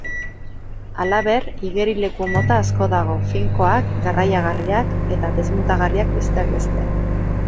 Halaber, igerileku-mota asko dago, finkoak, garraiagarriak eta desmuntagarriak besteak beste.